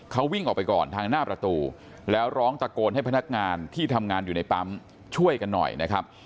เขาวิ่งออกไปก่อนทางหน้าประตูแล้วร้องตะโกนให้พนักงานที่ทำงานอยู่ในปั๊มช่วยกันหน่อยนะครับ